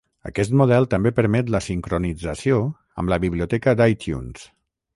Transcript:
Aquest model també permet la sincronització amb la biblioteca d'iTunes.